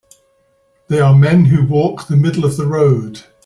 They are men who walk the middle of the road.